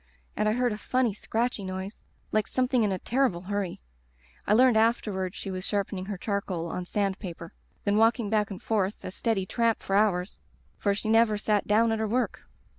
And I heard a funny scratchy noise like something in a terrible hurry. (I learned afterward she was sharp ening her charcoal on sand paper.) Then walking back and forth; a steady tramp for hours, for she never sat down at her work.